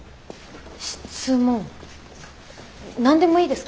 質問何でもいいですか？